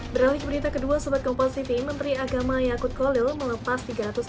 beralih ke berita kedua sobat kompas tv menteri agama yakut kolil melepas tiga ratus delapan puluh enam